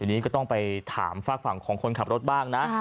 ทีนี้ก็ต้องไปถามฝากฝั่งของคนขับรถบ้างนะ